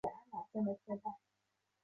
有的也会被潮商雇往戏园表演。